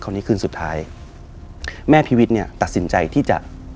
นี้คืนสุดท้ายแม่พีวิทย์เนี่ยตัดสินใจที่จะ